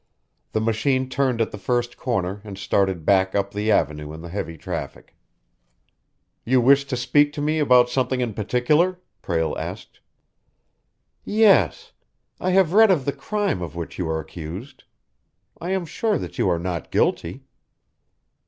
The machine turned at the first corner and started back up the Avenue in the heavy traffic. "You wished to speak to me about something in particular?" Prale asked. "Yes. I have read of the crime of which you are accused. I am sure that you are not guilty."